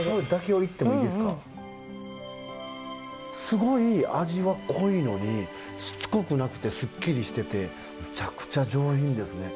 すごい味は濃いのにしつこくなくてすっきりしててむちゃくちゃ上品ですね。